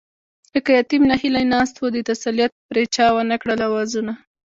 لکه يتيم ناهيلی ناست وو، د تسليت پرې چا ونکړل آوازونه